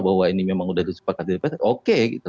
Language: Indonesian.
bahwa ini memang sudah disepakati dpr oke